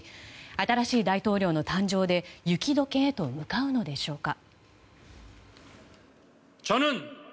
新しい大統領の誕生で雪解けへと向かうのでしょうか。